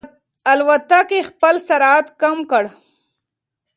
الوتکې خپل سرعت کم کړ.